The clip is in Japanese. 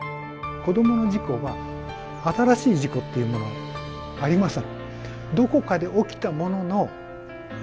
子どもの事故は新しい事故っていうものはありません。